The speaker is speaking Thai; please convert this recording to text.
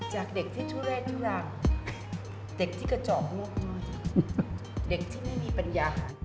จากเด็กที่ทุเร่นทุรากเด็กที่กระจอกมุกน้อย